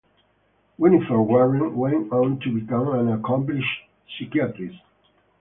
Winifred Warren went on to become an accomplished psychiatrist.